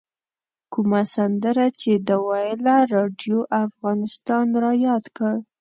کومه سندره چې ده ویله راډیو افغانستان رایاد کړ.